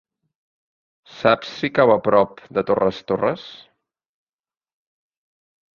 Saps si cau a prop de Torres Torres?